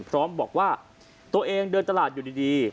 พร้อมบอกว่าตัวเองเดินตลาดอยู่ดี